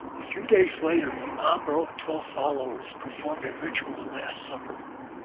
A few days later, Di Mambro and twelve followers performed a ritual Last Supper.